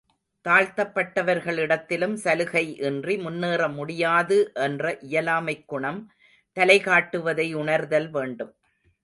தாழ்த்தப்பட்டவர்களிடத்திலும் சலுகை இன்றி முன்னேற முடியாது என்ற இயலாமைக் குணம் தலை காட்டுவதை உணர்தல் வேண்டும்.